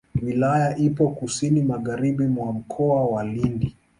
Wilaya ipo kusini magharibi mwa Mkoa wa Lindi.